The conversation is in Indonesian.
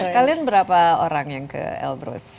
kalian berapa orang yang ke elbrus